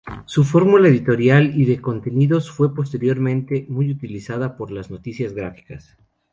Su fórmula editorial y de contenidos fue posteriormente muy utilizada por "Las Noticias Gráficas".